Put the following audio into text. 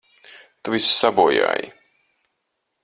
Tu visu sabojāji!